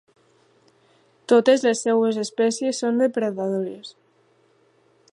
Totes les seues espècies són depredadores.